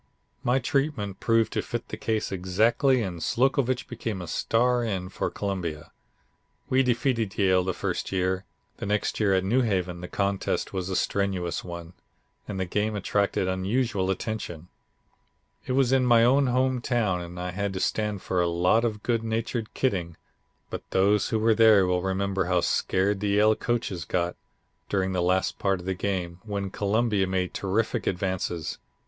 My treatment proved to fit the case exactly and Slocovitch became a star end for Columbia. We defeated Yale the first year; the next year at New Haven the contest was a strenuous one, and the game attracted unusual attention. It was in my own home town, and I had to stand for a lot of good natured kidding, but those who were there will remember how scared the Yale coaches got during the last part of the game, when Columbia made terrific advances.